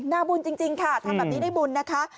หน้าบุญจริงค่ะทำแบบนี้ได้บุญนะคะ